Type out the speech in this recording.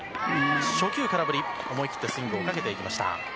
初球空振り、思い切ってスイングをかけていきました。